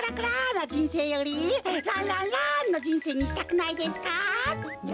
なじんせいよりランランランのじんせいにしたくないですか？